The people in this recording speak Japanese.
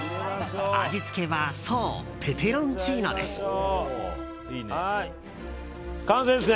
味付けはそう、ペペロンチーノです。